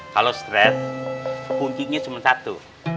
kalau stres kuncinya cuma satu